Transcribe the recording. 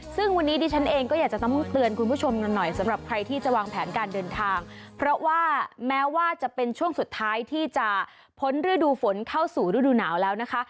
ซึ่งวันนี้ดิฉันเองก็อยากจะต้องเตือนคุณผู้ชมกันหน่อยสำหรับใครที่จะวางแผนการเดินทางเพราะว่าแม้ว่าจะเป็นช่วงสุดท้ายที่จะพ้นฤดูฝนเข้าสู่ฤดูหนาวแล้วนะคะ